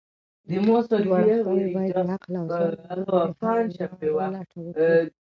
دواړه خواوې بايد د عقل او زغم له لارې د حل لارو لټه وکړي.